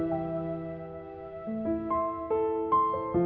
tapi saya jangan peduli